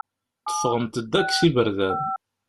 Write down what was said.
Teffɣemt-d akk s iberdan.